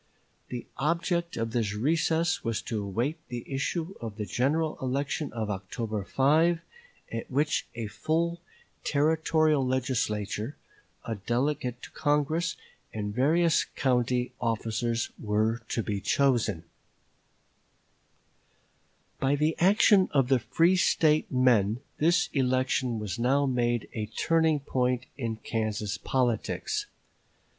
The object of this recess was to await the issue of the general election of October 5, at which a full Territorial Legislature, a delegate to Congress, and various county officers were to be chosen. Wilder, p. 133. By the action of the free State men this election was now made a turning point in Kansas politics.